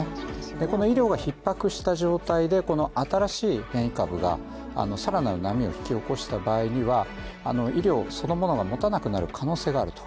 この医療がひっ迫した状態で新しい変異株が更なる波を引き起こした場合には医療そのものがもたなくなる可能性があると。